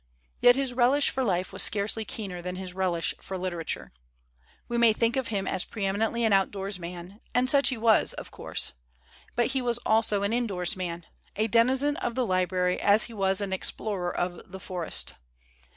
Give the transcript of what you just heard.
Yet his relish for life was scarcely keener than his relish for literature. We may think of him as preeminently an outdoors man, and such he was, of course; but he was also an indoors man, a denizen of the library as he was THEODORE ROOSEVELT AS A MAN OF LETTERS an explorer of the forest.